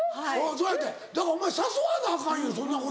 そうやってだからお前誘わなアカンよそんなことより。